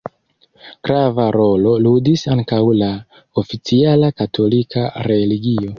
Grava rolo ludis ankaŭ la oficiala katolika religio.